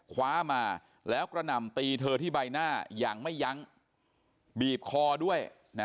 คว้ามาแล้วกระหน่ำตีเธอที่ใบหน้าอย่างไม่ยั้งบีบคอด้วยนะ